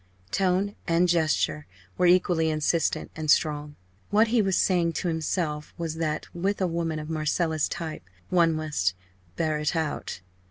Tone and gesture were equally insistent and strong. What he was saying to himself was that, with a woman of Marcella's type, one must "bear it out."